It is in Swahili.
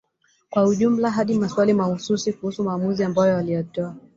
kwa ujumla hadi maswali mahususi kuhusu maamuzi ambayo aliyatoa